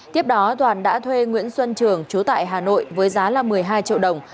tiếp đó toàn đã thuê nguyễn xuân trường chú tại hà nội với giá một mươi hai triệu đồng